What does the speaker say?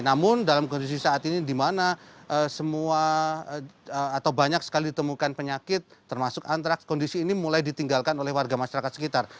namun dalam kondisi saat ini di mana semua atau banyak sekali ditemukan penyakit termasuk antraks kondisi ini mulai ditinggalkan oleh warga masyarakat sekitar